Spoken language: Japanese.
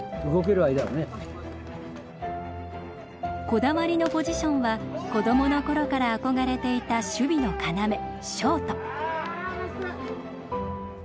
こだわりのポジションは子供の頃から憧れていた守備の要ショート。